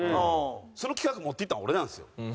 その企画持っていったん俺なんですよ。